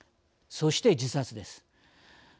そして自殺です。